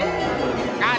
kasli pak gontor